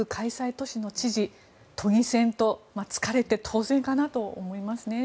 都市の知事都議選と疲れて当然かなと思いますね。